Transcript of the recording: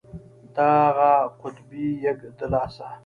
د اغه قطبي يږ د لاسه.